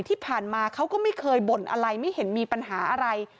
ที่ผ่านมาเขาก็ไม่เคยบ่นอะไรไม่เห็นมีปัญหาอะไร